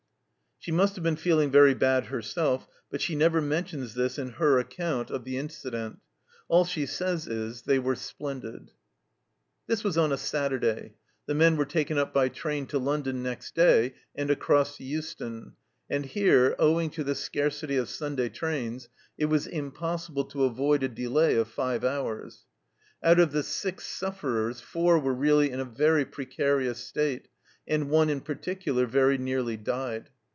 She must have been feeling very bad herself, but she never mentions this in her account 192 THE CELLAR HOUSE OF PERVYSE of the incident ; all she says is, " They were splendid." This was on a Saturday. The men were taken up by train to London next day and across to Euston, and here, owing to the scarcity of Sunday trains, it was impossible to avoid a delay of five hours. Out of the six sufferers, four were really in a very precarious state and one in particular very nearly died.